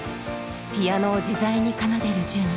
ピアノを自在に奏でるジュニ。